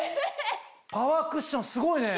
パワークッションすごいね。